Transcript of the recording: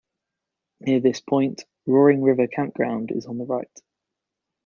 Near this point, Roaring River Campground is on the right.